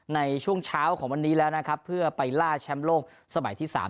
ในช่วงเช้าของวันนี้แล้วนะครับเพื่อไปล่าแชมป์โลกสมัยที่๓